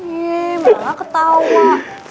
ih malah ketawa